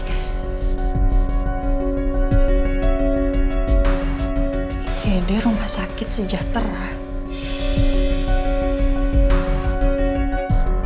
ig rumah sakit sejahtera